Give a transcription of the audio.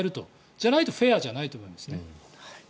じゃないとフェアじゃないと思います。